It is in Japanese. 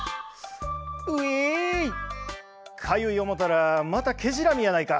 「かゆい思たらまたケジラミやないか。